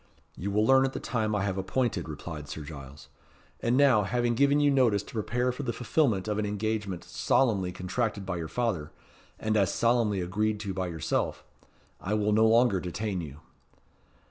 "You will learn at the time I have appointed," replied Sir Giles. "And now, having given you notice to prepare for the fulfilment of an engagement solemnly contracted by your father, and as solemnly agreed to by yourself, I will no longer detain you."